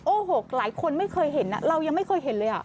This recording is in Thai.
โอ้โหหลายคนไม่เคยเห็นเรายังไม่เคยเห็นเลย